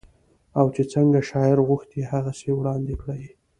او چې څنګه شاعر غوښتي هغسې يې وړاندې کړې